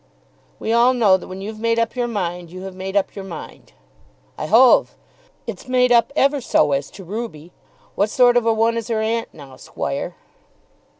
"We all know that when you've made up your mind, you have made up your mind." "I hove. It's made up ever so as to Ruby. What sort of a one is her aunt now, squoire?"